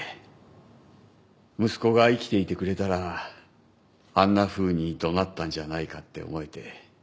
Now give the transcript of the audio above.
息子が生きていてくれたらあんなふうに怒鳴ったんじゃないかって思えて。